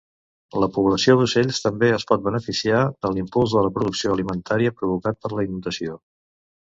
La població d'ocells també es pot beneficiar de l'impuls de la producció alimentària provocat per la inundació.